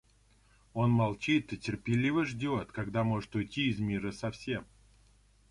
Он молчит и терпеливо ждет, когда может уйти из мира совсем.